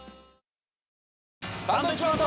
サンドウィッチマンと。